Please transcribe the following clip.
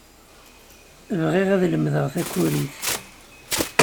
Bɣiɣ ad lemdeɣ takurit.